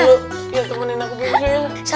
ayo temenin aku bersama saya